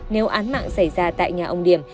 nếu án mạng xảy ra tại nhà ông điểm